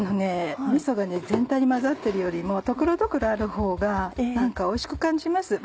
みそが全体に混ざっているよりも所々あるほうが何かおいしく感じます。